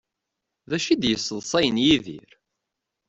D acu i d-yesseḍṣayen Yidir?